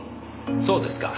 そうですか。